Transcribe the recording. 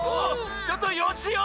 ちょっとよしお！